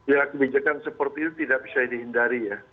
ya kebijakan seperti itu tidak bisa dihindari ya